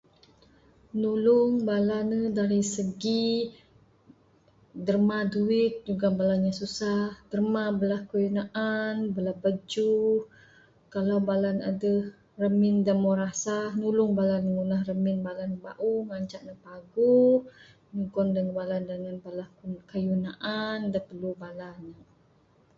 Nulung bala ne dari segi derma duit nyugon neg bala da susah, derma bala kayuh naan, Bala bajuh. Kalau bala ne adeh ramin da meh rasah nulung ngunah ramin bala ne bauh ngancak ne paguh, nyugon dangan bala ne kayuh naan